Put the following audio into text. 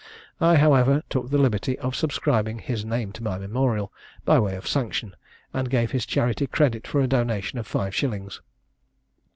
I, however, took the liberty of subscribing his name to my memorial, by way of sanction, and gave his charity credit for a donation of five shillings.